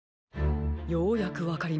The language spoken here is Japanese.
ようやくわかりましたよ